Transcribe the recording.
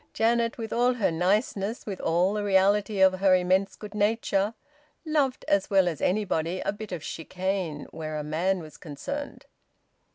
Janet, with all her niceness, with all the reality of her immense good nature, loved as well as anybody a bit of chicane where a man was concerned.